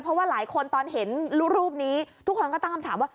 เพราะว่าหลายคนตอนเห็นรูปนี้ทุกคนก็ตั้งคำถามว่า